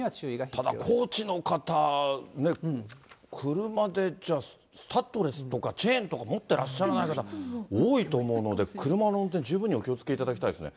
ただ、高知の方ね、車でじゃあ、スタッドレスとかチェーンとか持ってらっしゃらない方、多いと思うので、車の運転、十分にお気をつけいただきたいですね。